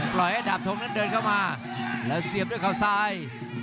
ปล่อยให้ดาบทงนั้นเดินเข้ามาแล้วเสียบด้วยเขาซ้าย